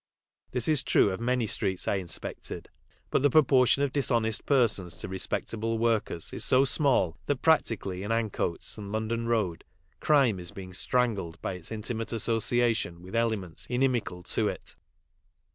This is true of many streets I inspected but the proportion of dishonest persons to respect able workers is so small that, practically, in Ancoats and London road, crime is being strangled by its intimate association with elements inimical to it.